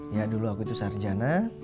ya dulu aku itu sarjana